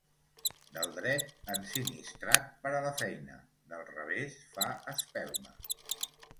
Del dret, ensinistrat per a la feina, del revés fa espelma.